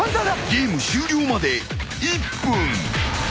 ［ゲーム終了まで１分］